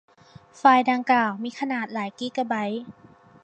ไฟล์ดังกล่าวมีขนาดหลายกิกะไบต์